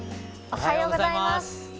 おはようございます。